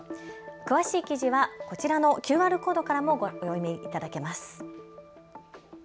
詳しい記事はこちらのＱＲコードからもお読みいただけます。